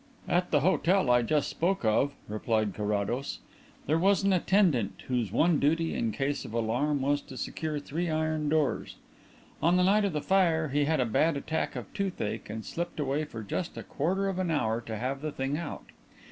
"At the hotel I just spoke of," replied Carrados, "there was an attendant whose one duty in case of alarm was to secure three iron doors. On the night of the fire he had a bad attack of toothache and slipped away for just a quarter of an hour to have the thing out.